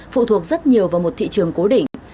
phụ thuộc rất nhiều vào một thị trường cố định